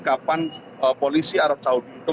kapan polisi arab saudi